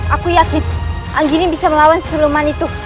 aku yakin anggi ini bisa melawan seseorang itu